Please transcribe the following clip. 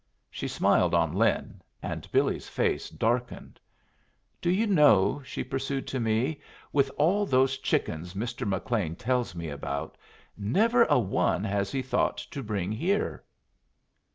She smiled on Lin, and Billy's face darkened. "Do you know," she pursued to me, "with all those chickens Mr. McLean tells me about, never a one has he thought to bring here."